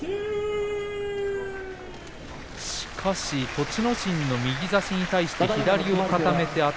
しかし栃ノ心の右差しに対して左を固めて頭。